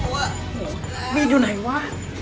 โหโหนี่อยู่ไหนวะ